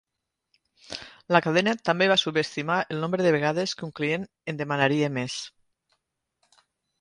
La cadena també va subestimar el nombre de vegades que un client en demanaria més.